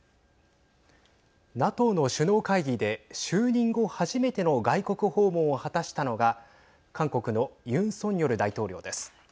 ＮＡＴＯの首脳会議で就任後、初めての外国訪問を果たしたのが韓国のユン・ソンニョル大統領です。